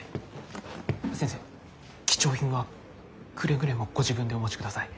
先生貴重品はくれぐれもご自分でお持ちください。